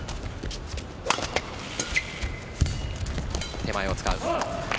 手前を使う。